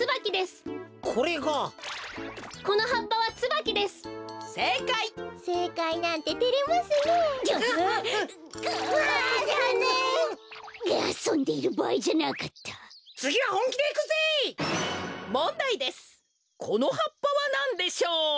このはっぱはなんでしょう？